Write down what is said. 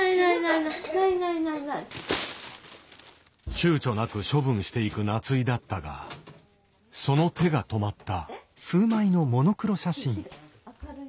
躊躇なく処分していく夏井だったがその手が止まった。